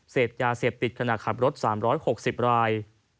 เสพยาเสพติดขณะขับรถ๓๖๐ราย